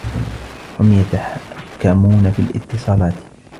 هم يتحكمون في الاتصالات.